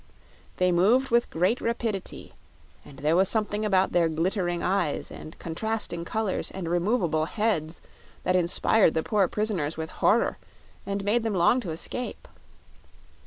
They moved with great rapidity and there was something about their glittering eyes and contrasting colors and removable heads that inspired the poor prisoners with horror, and made them long to escape.